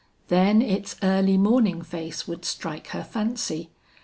Then its early morning face would strike her fancy.